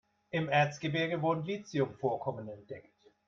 Im Erzgebirge wurden Lithium-Vorkommen entdeckt.